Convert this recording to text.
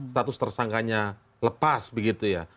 status tersangkanya lepas begitu ya